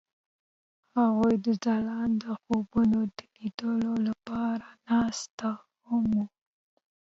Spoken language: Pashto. هغوی د ځلانده خوبونو د لیدلو لپاره ناست هم وو.